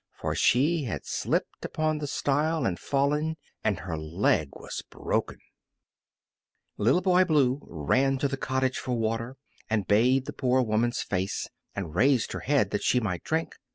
For she had slipped upon the stile and fallen, and her leg was broken! [Illustration: Little Boy Blue] Little Boy Blue ran to the cottage for water and bathed the poor woman's face, and raised her head that she might drink.